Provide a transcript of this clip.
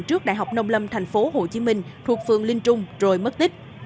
trước đại học nông lâm tp hcm thuộc phường linh trung rồi mất tích